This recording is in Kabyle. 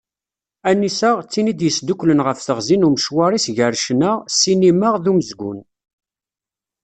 Anisa, d tin i d-yesduklen ɣef teɣzi n umecwar-is gar ccna, ssinima d umezgun.